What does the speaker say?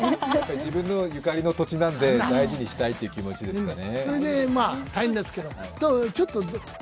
自分のゆかりの土地なので、大事にしたいという気持ちですかね。